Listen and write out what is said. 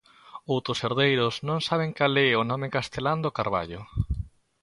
Outros herdeiros non saben cal é o nome castelán do carballo.